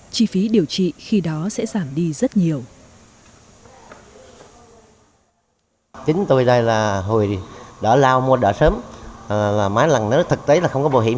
chi phí điều trị khi đó sẽ giảm đi rất nhiều